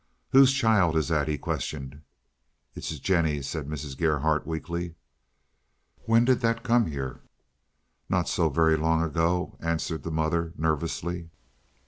"Whose child is that?" he questioned. "It's Jennie's," said Mrs. Gerhardt, weakly. "When did that come here?" "Not so very long ago," answered the mother, nervously.